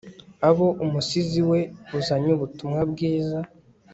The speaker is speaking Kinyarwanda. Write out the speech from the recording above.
Abo umusizi we uzanye ubutumwa bwiza